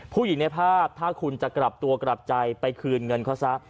ในภาพถ้าคุณจะกลับตัวกลับใจไปคืนเงินเขาซะ